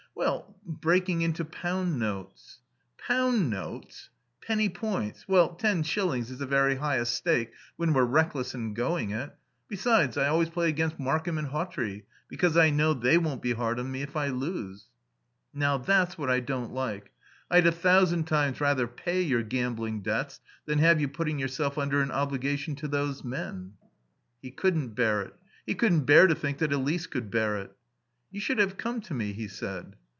"Well, breaking into pound notes." "Pound notes! Penny points well, ten shillings is the very highest stake when we're reckless and going it. Besides, I always play against Markham and Hawtrey, because I know they won't be hard on me if I lose." "Now, that's what I don't like. I'd a thousand times rather pay your gambling debts than have you putting yourself under an obligation to those men." He couldn't bear it. He couldn't bear to think that Elise could bear it. "You should have come to me," he said.